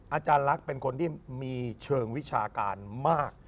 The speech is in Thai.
อาจารย์ลักษณ์เป็นคนที่มีเชิงวิชาการมาก